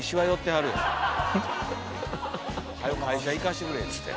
「はよ会社行かしてくれ」っつって。